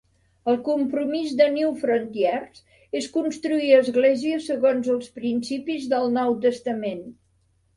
El compromís de Newfrontiers és construir esglésies segons els principis del Nou Testament.